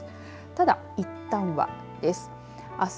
ただ、いったんはです。